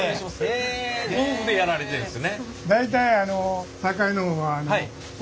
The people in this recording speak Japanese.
へえ夫婦でやられてるんですね。